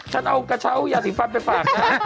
ฉันเอากระเช้ายาสีฟันไปฝากนะ